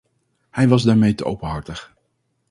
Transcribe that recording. Hij was daarmee te openhartig.